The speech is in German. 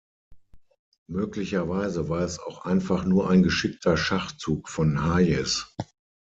Möglicherweise war es auch einfach nur ein geschickter Schachzug von Hayes.